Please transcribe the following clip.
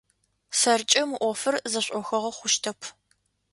Сэркӏэ мы ӏофыр зэшӏохыгъэ хъущтэп.